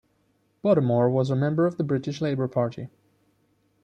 Bottomore was a member of the British Labour Party.